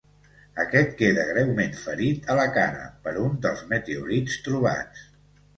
Aquest queda greument ferit a la cara per un dels meteorits trobats.